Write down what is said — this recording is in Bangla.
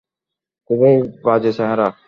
খুবই বাজে চেহারা।